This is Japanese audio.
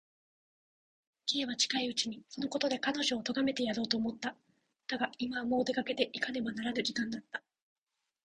Ｋ は近いうちにそのことで彼女をとがめてやろうと思った。だが、今はもう出かけていかねばならぬ時間だった。